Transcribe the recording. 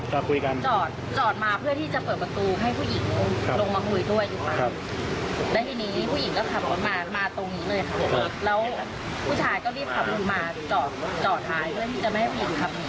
แล้วผู้ชายก็รีบขับรถมาจอดหายเพื่อที่จะไม่ให้ผู้หญิงขับนี้